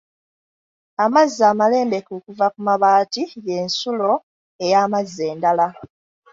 Amazzi amalembeka okuva ku mabaati y'ensulo ey'amazzi endala.